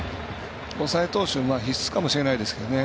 抑え投手必須かもしれないですけどね。